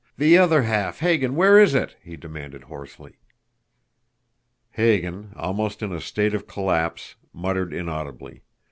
The other half, Hagan where is it?" he demanded hoarsely. Hagan, almost in a state of collapse, muttered inaudibly.